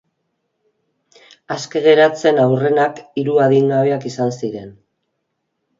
Aske geratzen aurrenak hiru adingabeak izan ziren.